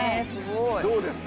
どうですか？